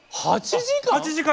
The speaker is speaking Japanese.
８時間！？